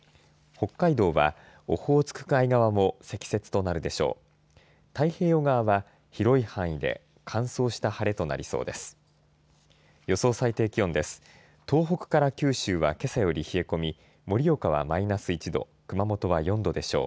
北海道はオホーツク海側も積雪となるでしょう。